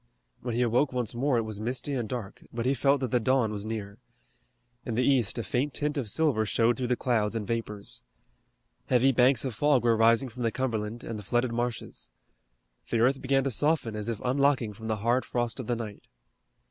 When he awoke once more it was misty and dark, but he felt that the dawn was near. In the east a faint tint of silver showed through the clouds and vapors. Heavy banks of fog were rising from the Cumberland and the flooded marshes. The earth began to soften as if unlocking from the hard frost of the night.